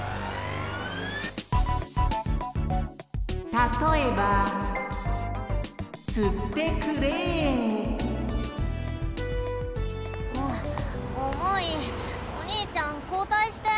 たとえばおおもいおにいちゃんこうたいして！